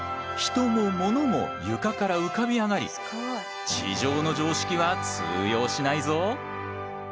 人もモノも床から浮かび上がり地上の常識は通用しないぞ。